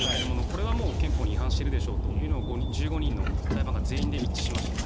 これは憲法に違反してるでしょうというのを１５人の裁判官全員で一致しましたと。